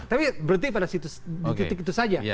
itu penting pada titik itu saja